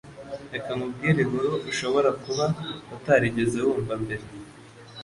Reka nkubwire inkuru ushobora kuba utarigeze wumva mbere